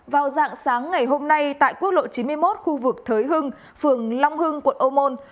vào dạng sáng ngày hôm nay tại quốc lộ chín mươi một khu vực thới hưng phường long hưng quận ô môn